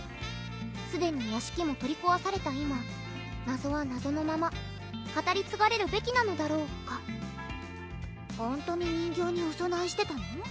すでに屋敷も取りこわされた今謎は謎のまま語りつがれるべきなのだろうかほんとに人形におそなえしてたの？